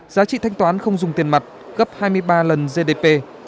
giá trị thanh toán không dùng tiền mặt gấp hai mươi ba lần gdp